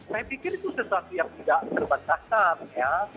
saya pikir itu sesuatu yang tidak terbatas batas ya